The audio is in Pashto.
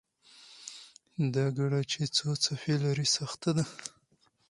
دا ګړه چې څو څپې لري، سخته ده.